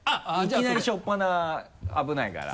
いきなりしょっぱな危ないから。